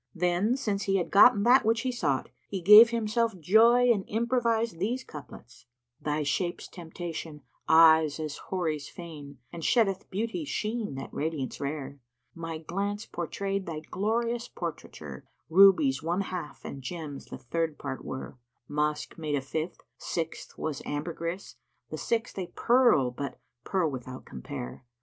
Then, since he had gotten that which he sought, he gave himself joy and improvised these couplets, "Thy shape's temptation, eyes as Houri's fain * And sheddeth Beauty's sheen[FN#75] that radiance rare: My glance portrayed thy glorious portraiture: * Rubies one half and gems the third part were: Musk made a fifth: a sixth was ambergris * The sixth a pearl but pearl without compare.